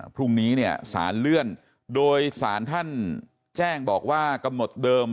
พรุ่งนี้เนี่ยสารเลื่อนโดยสารท่านแจ้งบอกว่ากำหนดเดิม